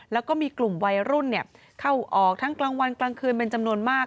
แล้วก็มีกลุ่มวัยรุ่นเข้าออกทั้งกลางวันกลางคืนเป็นจำนวนมาก